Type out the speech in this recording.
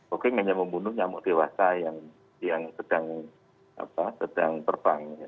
oking hanya membunuh nyamuk dewasa yang sedang terbang